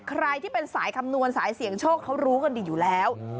ใครที่เป็นสายคำนวณสายเสี่ยงโชคเขารู้กันดีอยู่แล้ว